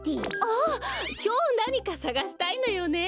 あっきょうなにかさがしたいのよね。